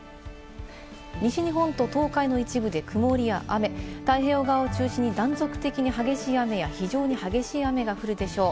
西日本と東海の一部で曇りや雨、太平洋側を中心に断続的に激しい雨や非常に激しい雨が降るでしょう。